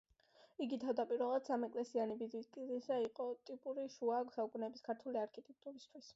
იგი თავდაპირველად სამეკლესიიანი ბაზილიკა იყო, ტიპური შუა საუკუნეების ქართული არქიტექტურისთვის.